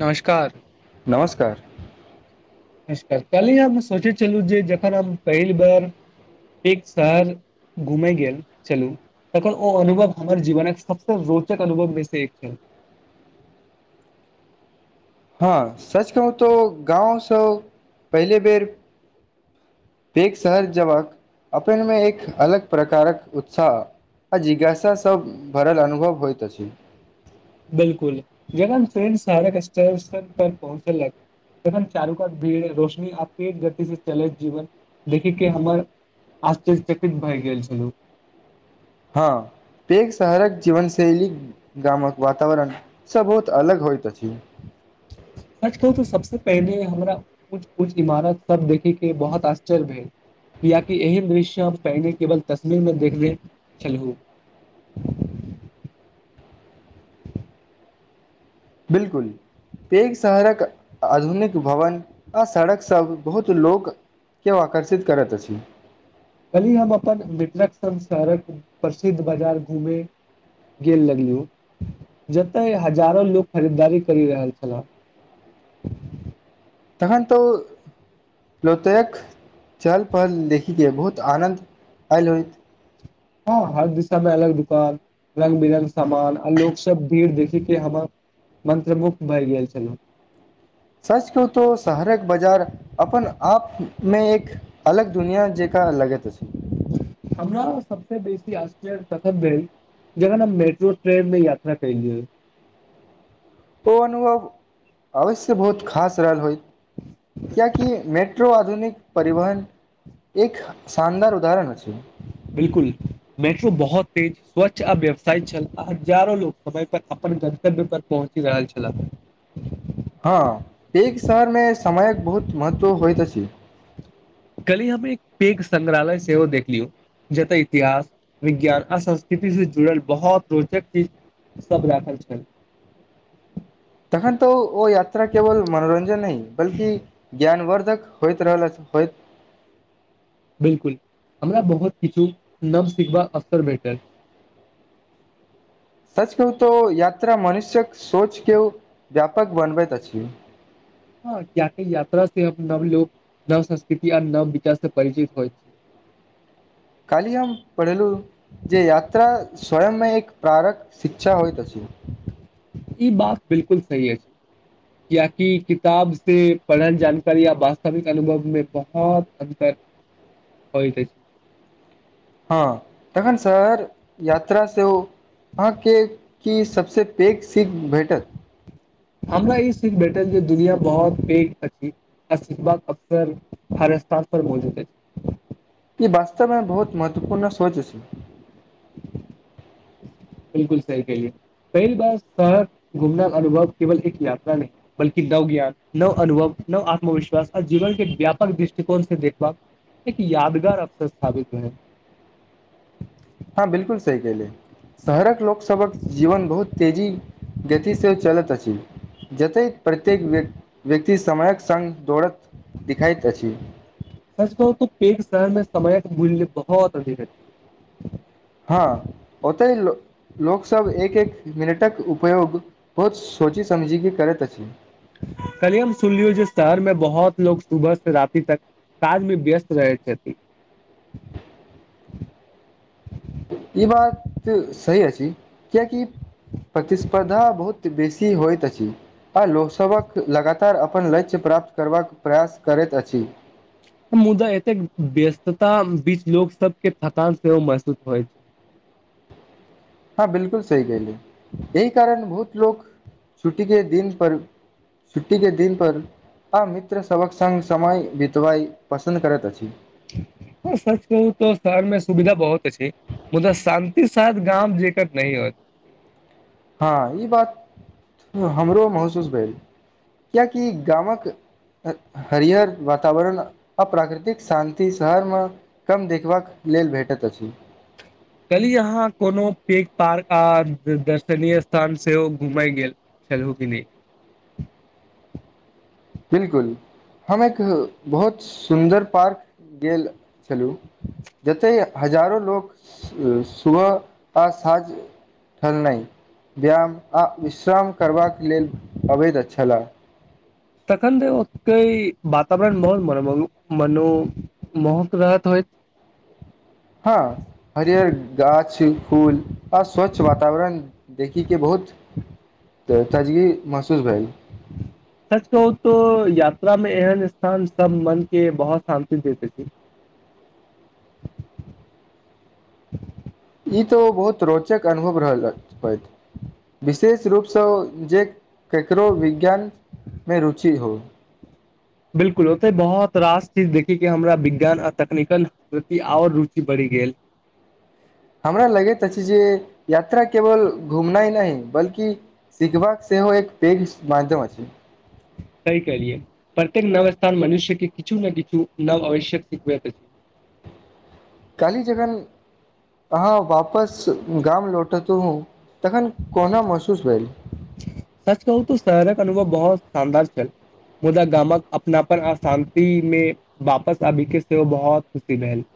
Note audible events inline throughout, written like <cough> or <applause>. नमस्कार नमस्कार नमस्कार काल्हि हम सोचैय छलहुं जे जखन हम पहिल बार एक शहर घूमे गेल छलू तखन ओ अनुभव हमर जीवनक सबसे रोचक अनुभव मे से एक छल <inaudible> हाँ सच कहुँ तो गाँव से पहिले बेर एक शहर जेबाक अपनमे एक अलग प्रकारक उत्साह आ जिज्ञासा सब भरल अनुभव होइत अछि बिलकुल जहन ट्रेन सारन स्टेशन पर पहुँचल लई तखन चारू कात भीड़ रोशनी आ तेज गति से चलैत जीवन देखी के हमर आश्चर्यचकित भ गेल छलौं हां पैघ शहरक जीवनशैली गामक वातावरण से बहुत अलग होइत अछि पहिनेे हमरा कुछ कुछ इमारत सब देखे के बहुत आश्चर्य भेल कियाकि एहन दृश्य हम पहिने केवल तस्वीर मे देखने छलहु <inaudible> बिलकुल पेड़ सहरक आधुनिक भवन आ सड़क सब बहुत लोक के आकर्षित करत अछी कल्हि हम अपन मित्रक शहरक प्रसिद्ध बाजार घूमे गेल लगलियौ जतय हजारो लोक खरीददारी करि रहल छलाह <inaudible> तखन तऽ प्लोतयक चहल पहल देखिके बहुत आनन्द आयल होइत हअ् हर दिशा में अलग दुकान रंग बिरंग सामान आ लोक सब भीड़ देखी के हमर मंन्त्र मुुक्त भए गेल छलहु सच कहूं तऽ शहरक बाजार अपन आप में एक अलग दुनिया जेका लगेत अछी हमरा सबसे बेसी आश्चर्य तखन भेल जखन हम मेट्रो ट्रेन मे यात्रा कएली ओ अनुभव अवश्य बहुत खास रहल होइ क्या कि मेट्रो आधुनिक परिवहन एक शानदार उदाहरण अछै बिलकुल मेट्रो बहुत तेज स्वच्छ आ व्यवसाय चल आ हजारो लोक समय पर अपन गन्तव्य पर पहुँची रहल छल हँ एक शहर में समायक बहुत महत्व होइत अछि कली हम एक पेघ संग्रहालय सेहो देखलियौ जते इतिहास विज्ञान आ संस्कृति से जुड़ल बहुत रोचक चीज सभ राखल छै तखन तऽ ओ यात्रा केवल तक होइत रहल अछि होइत बिलकुल हमरा बहुत किछु नव सिखबाक अवसर भेटल <inaudible> सच कहु तऽ यात्रा मनुष्यक सोच के व्यापक बनबैत अछि हँ क्या कि यात्रा से न लोक नव संस्कृति आ नव विचार से परचित होइ छै काली हमम पढ़ेलू जे यात्रा स्वयंमे एक प्रारक शिक्षा होइतस ई बात बिलकुल सही अछि ज किया कि किताब से पढ़ल जानकारी य वास्तविक अनुभव मे बहुत अन्तर हो तऽ अछी हँ तखन सर यात्रा सँ से ओ अहाँ के की सबसे पैघ सीख भेटत हमरा ई सीख भेटल जे दुनिया बहुत पैघ अछि आ सीख अवसर ह स्थान तक पर बहुत ई वास्तव में बहुत महत्वपूर्ण सोच छै <inaudible> बिलकुल सही केलिय पहिल बार शहर घुमना अनुभव केवल एक यात्रा नहि बल्कि नव ज्ञान नौ अनुभव नौ आत्मविश्वास आ जीवन के व्यापक दृष्टिकोण से देखभ एक यादगार अवसर स्थापित है हँ बिलकुल सही कह लिय शहरक लोकसभक जीवन बहुत तेजी गति से चलैत अछि जतै प्रत्येक व व्यक्ति समयक संग दोड़त दिखाइत अछि सच कहू त पेघ शहर मे समयक मूल्य बहुत अधिक होएत हँ ओतहि लो लोकसभ एक एक मिनटक उपयोग बहुत सोचि समझी कऽ करैत अछि कलिय हम सुन लियौ जे शहर में बहुत लोग सुबह से राति तक ताज में व्यस्त रहय छैथि ई बात सही अछि किय किया प्रतिस्पर्धा बहुत बेसी कि होइत अछि आ लोक सभक लगातार अपन लक्ष्य प्राप्त करबाक प्रयास करैत अछि मुदा एते व्यस्तता बीच लोक सब के थकान सेहो महसूस होइ छै <inaudible> हँ बिलकुल सही कहहिली य कारण बहुत लोक छुट्टी के दिन पर छुट्टी के दिन पर आ मित्र सबक संग समय बितबाई पसन्द करैत अछि ठीक सच कहू तऽ शहर मे सुविधा बहुत अछि मुदा शान्ति शायद गाँव जकआ नह होत <inaudible> हँ ई बात हमरो महसूस भेल किएकी गामक हरीयर वातावरण आ प्राकृतिक शान्ति शहर म कम देखबाक लेल भेटैत अछि <inaudible> कहली यहाँ कोनो प पार्क आ दर्शनीय स्थान सेहो घुमई गेल चलू के ने बिलकुल हम एक बहुत सुन्दर पार्क गेल छलू जतय हजारो लोग सुबह आ साँझ ठ नहि व्यायाम आ विश्राम करबाक लेल अवैध छलाह तखन त ओतई वातावरण बहुत मन मन मनो मोहक रहत होयत हँ हरियर गाछ फूल आ स्वच्छ वातावरण देखिके बहुत दूर भ सच कहू तो यात्रा मे एहन स्थान सब मन के बहुत शान्ति देते छै <inaudible> ई तो बहुत रोचक अनुभव रहल होइत भेईत विशेष रूपसँ जे केकरो विज्ञान मे रुचि हो बिल्कुल ओते बहुत रास चीज देखीे के हमरा विज्ञान आ तेक्निकल प्रति आओर रुचि बढ़ी गेल हमरा लगैत अछि जे यात्रा केवल घुमना ह नहि बल्कि सिखबाक से सेहो एक पे माधयम अछि सहि कहेलिए प्रत्यक नवस्थान मनुष्य के किछु ने किछु नव आवश्यक सिखबै पे छै <inaudible> कहली जखन अहाँ वापस गाम लौटत हू तखन कोना महसूस भेल सच कहू तऽ शहरक अनुभव बहुत शानदार छलल मुदा गामक अपनापन अ शान्ति मे वापस आबिक सेहो बहुत खुशी भेल <inaudible>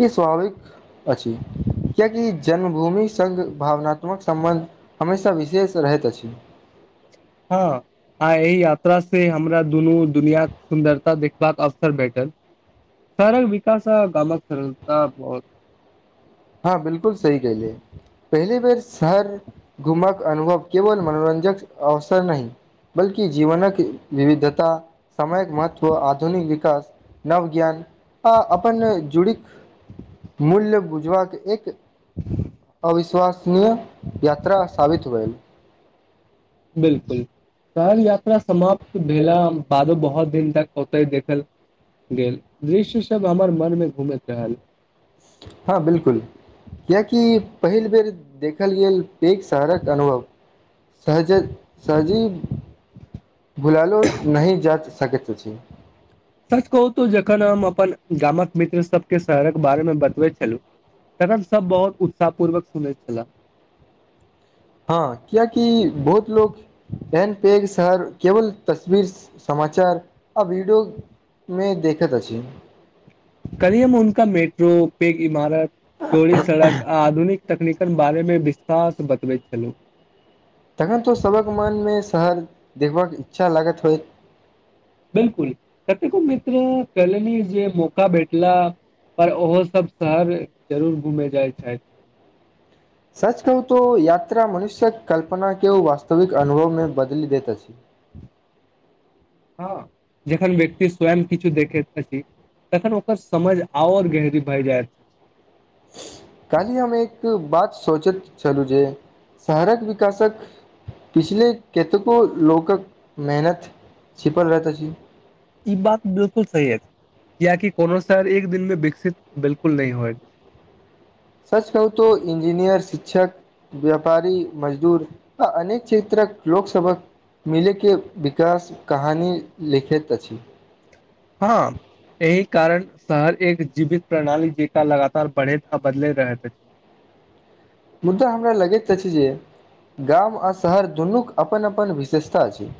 ई स्वाभाविक अछि कियाकि जन्मभूमि संग भावनात्मक सम्बन्ध हमेशा विशेष रहैत अछि हँ आ एहि यात्रा से हमरा दुनू दुनिया के सुन्दरता देखबाक अवसर भेटत शहरक विकास आ गामक सरलता बहुत हँ बिलकुल सही कहिले पहल बेर शहर घुमक अनुभव केवल मनोरञ्जक अवसर नहि बल्कि जीवनक विविधता समयक महत्व आधुनिक विकास नव ज्ञान आ अपन जुड़ीक मूल्य बुझबाक एक अविश्वसनीय यात्रा साबित होइल बिलकुल शहर यात्रा समाप्त भेला बादो बहुत दिन तक ओतै देखल गेल दृश्यसभ हमर मनमे घुमैत रहल हँ बिलकुल कियाकि पहिल बेर देखल गेल पैघ शहरक अनुभव सहज सहजीव बुलालो नहिं जा सकैत छी सच कहू तू जखन हम अपन गामक मित्र सबके शहरक बारेमे बतबै छलहुँ तखन सब बहुत उत्साह पूर्वक सुनैत छला हँ कियकि बहुत लोक एहन पेघ शहर केवल तस्वीर समाचार आ वीडियो मे देखत अछि कल्हि हम उनका मेट्रो पेघ इमारत चोरी सड़क आधुनिक तकनीकक बारेमे विस्तार स बतबै छलौं तखन तऽ सभक मनमे शहर देखबाक इच्छा लागत होइत बिलकुल कतेको मित्र कहलनि इ जे मौका भेटला पर ओहो सब शहर जरूर घूमेै जाइ छथि सच कहू तो यात्रा मनुष्यक कल्पना केओ वास्तविक अनुभवमे बदलि देैत अछि हँ जेखन व्यक्ति स्वयं किछु देखेत अछि तखन ओकर समझ और गहरी भय जायत काल्हि हम एक बात सोचैत छलूं जे शहरक विकासक पिछले कतेको लोकक मेहनत छिपल रहत अछि ई बात बिलकुल सही अछि कियाकि कोनो शहर एक दिन मे विकसित बिलकुल नहि होएत अछि सच कहू तो इंजीनियर शिक्षक व्यापारी मजदूर आ अनेक क्षेत्रक लोक सभक मिलयके विकास कहानी लिखैत अछि हँ एहि कारण शहर एक जीवित प्रणाली जेका लगातार बढ़ैत आ बदलैत रहैत अछि <inaudible> मुद्दा हमरा लगैत अछि जे गाम आ शहर दुनूक अपन अपन विशेषता अछि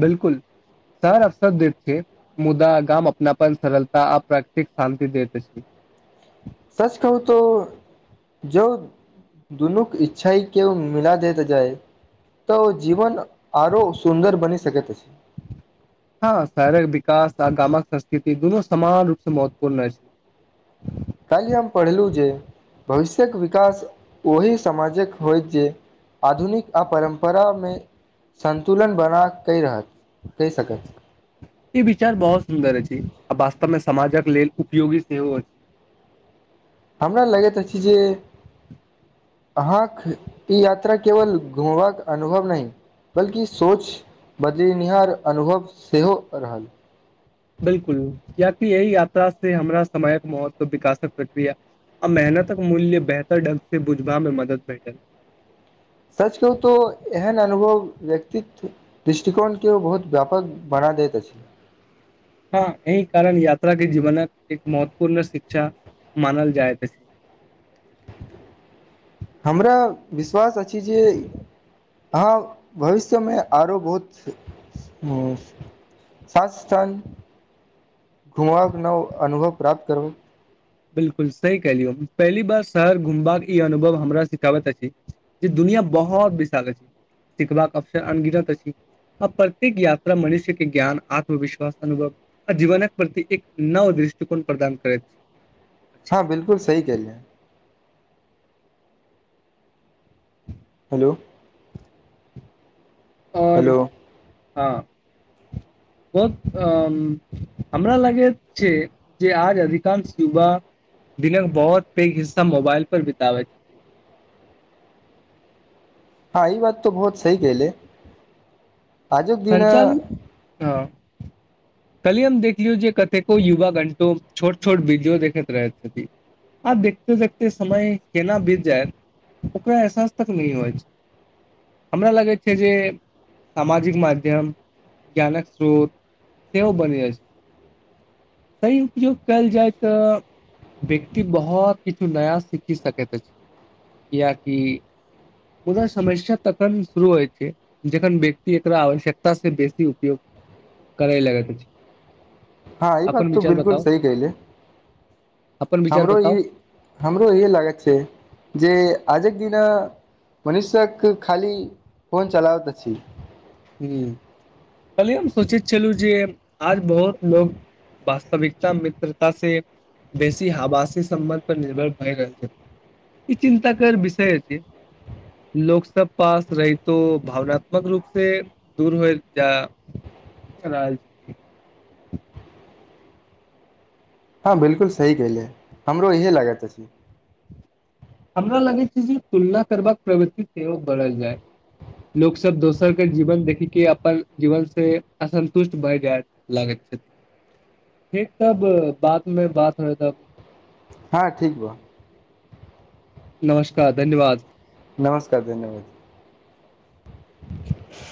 बिलकुल शहर अवसर दैत छै मुदा गाम अपनापन सरलता आ प्राकृतिक शान्ति दैत अछि <inaudible> सच कहू तो जौ दुनूके इच्छा है केओ मिला दैत जाय तऽ जीवन आरो सुन्दर बनि सकत अछि हँ शहरक विकास आ गामक संस्कृति दुनू समान रूप से महत्वपूर्ण अछि <inaudible> काल्हि हम पढ़लू जे भविष्य्यक विकास ओही समाजक होय जे आधुनिक आ परम्परामे संन्तुलन बना कै रहत कहि सकत ई विचार बहुत सुन्दर अछि आ वास्तवमे समाजक लेल उपयोगी सेहो अछि हमरा लगैत अछि जे अहाँक ई यात्रा केवल घुमबाक अनुभव नहि बल्कि सोच बदलिनिहार अनुभव सेहो रहल बिलकुल कियाकि अइ यात्रा से हमरा समयक महत्व विकासक प्रक्रिया आ मेहनतक मूल्य बेहतर ढंग से बुझबा मे मदद भेटल सच कहू तो एहन अनुभव व्यक्तित्व दृष्टिकोण केओ बहुत व्यापक बना दैत अछि हँ एहि कारण यात्रा के जीवनक एक महत्वपूर्ण शिक्षा मानल जाइत अछि हमरा विश्वास अछि जे अहाँ भविष्यमे आरो बहुत ह सा स्थान घुमाव न‌ओ अनुभव प्राप्त करबै बिलकुल सही कहलियौ पहली बार शहर घुमबाक ई अनुभव हमरा सिखाबैत अछि जे दुनिया दुनिया बहुत विशाल अछि सिखबाक अवसर अनगिनत अछि आ प्रत्येक यात्रा मनुष्य के ज्ञान आत्मविश्वास अनुभव आ जीवनक प्रति एक नव दृष्टिकोण प्रदान करैत अछि हँ बिलकुल सही कहलियए हेलो और हेलो हां बहुत अ हमरा लागे छै जे आज अधिकांश युवा दिनक बहुत पैघ हिस्सा मोबाइल पर बिताबैइ छथि हां ई बात त बहुत सही कहलि सञ्चार हँ <unintelligible> कल्हिए हम देखलियौ जे कतेको युवा घण्टों छोट छोट वीडियो देखैत रहैत छथिन आब देखते देखते समय केना बीत जायत ओकरा एहसास तक नई होइछ हमरा लगैई छैइ जे सामाजिक माध्यम ज्ञानक स्रोत सेहो बनि रहिएछै सही उपयोग कयल जाय तऽ व्यक्ति बहुत किछु नया सीखी सकैत अछि कियाकि कोनो समस्या तखन शुरू होइत छैइ जखन व्यक्ति एक आवश्यकता से बेसी उपयोग करैई लगैत अछि हां ई बात अपन तऽ विचार बिलकुल बताउ सही कहलीअई अपन विचार हमरो बताउ ई हमरो इहे लागत छैइ जे आजूक दिना मनुष्यक खाली फोन चलाबैत अछि हूंअ् कल्हि एम सोंचैत छलूं जे आज बहुत लोग वास्तविकता मित्रता से बेसी हबासी सम्बन्ध पर निर्भर भय रहल छथि ई चिन्ता कर विषय छैइ लोक सब पास रहितो भावनात्मक रूप से दूर होय जा रहल छथि हँ बिलकुल सही कहलीअई हमरो सैएह लागत अछि हमरा लगैइ छैइ जे तुलना करबाक प्रवृति सेहो बढ़ल जाय लोक सब दोसर के जीवन देखि के अपन जीवन से असन्तुष्ट भए जाय लागैत छथि ठीक तब बाद में बात होय तब हां ठीक बा नमस्कार धन्यवाद नमस्कार धन्यवाद